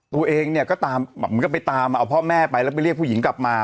ตัวเองเนี่ยก็ตามเหมือนกันไปตามเอาพ่อแม่ไปแล้วไปเรียกผู้หญิงกลับมา